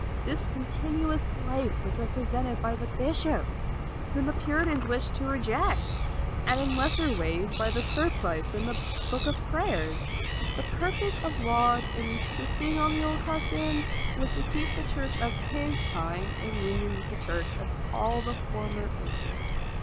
This continuous life was represented by the bishops, whom the Puritans wished to reject, and in lesser ways by the surplice and the book of prayers. The purpose of Laud in insisting on the old customs was to keep the Church of his time in union with the Church of all the former ages.